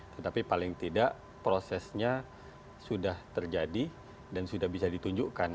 tetapi paling tidak prosesnya sudah terjadi dan sudah bisa ditunjukkan